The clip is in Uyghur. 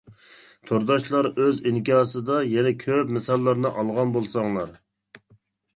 تورداشلار ئۆز ئىنكاسىدا يەنە كۆپ مىساللارنى ئالغان بولساڭلار.